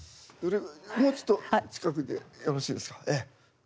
もうちょっと近くでよろしいですか。